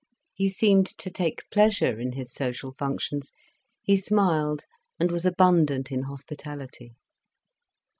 He seemed to take pleasure in his social functions, he smiled, and was abundant in hospitality.